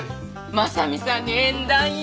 真実さんに縁談よ。